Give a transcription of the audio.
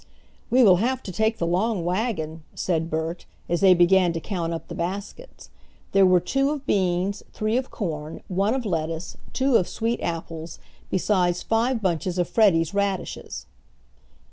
"We will have to take the long wagon," said Bert, as they began to count up the baskets. There were two of beans, three of corn, one of lettuce, two of sweet apples, besides five bunches of Freddie's radishes.